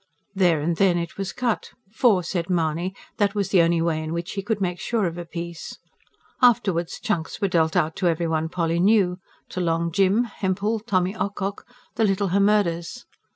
There and then it was cut; for, said Mahony, that was the only way in which he could make sure of a piece. Afterwards chunks were dealt out to every one Polly knew to Long Jim, Hempel, Tommy Ocock, the little Hemmerdes.